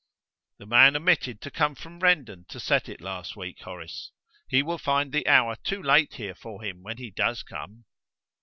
"The man omitted to come from Rendon to set it last week, Horace. He will find the hour too late here for him when he does come."